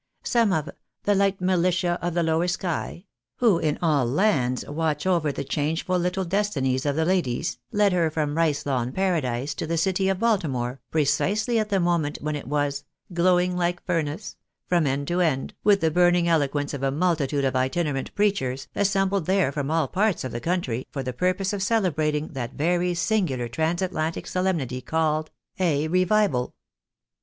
Some of The light militia of the lower sky — who in all lands watch over the changeful little destinies of the FASHIONABLE COMFOETS. 119 ladies, led her from Rice Lawn Paradise to tlie city of Baltimore, precisely at tlie moment when it was Glowing like furnace — from end to end, with the burning eloquence of a multitude of itinerant preachers, assembled there from all parts of the country, for the purpose of celebrating that very singular transatlantic solemnity, called " a Revival."